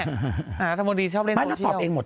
รัฐมนตรีชอบเล่นโซเชียล